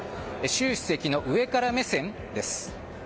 習主席の上から目線？です。